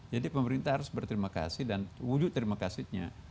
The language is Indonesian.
jadi pemerintah harus berterima kasih dan wujud terima kasihnya